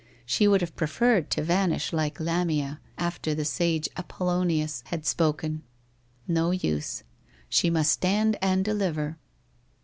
She would have preferred to vanish like Lamia, after the sage Appollonius had spoken. No use. She must stand and deliver.